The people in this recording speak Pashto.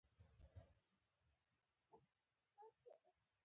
کینه د روح زهر دي.